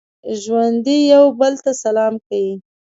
ژوندي یو بل ته سلام کوي